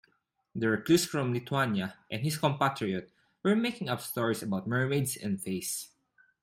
The recluse from Lithuania and his compatriot were making up stories about mermaids and fays.